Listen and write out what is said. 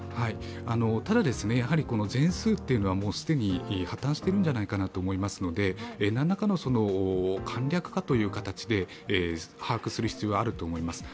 ただ全数というのは既に破綻してるんじゃないかと思いますので何らかの簡略化という形で把握する必要があると思います。